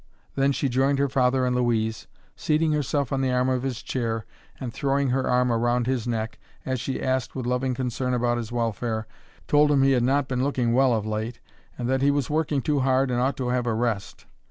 Then she joined her father and Louise, seating herself on the arm of his chair and throwing her arm around his neck as she asked with loving concern about his welfare, told him he had not been looking well of late, and that he was working too hard and ought to have a rest.